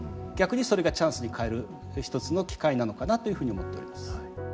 逆にそれがチャンスに変える一つの機会なのかなというふうに思っております。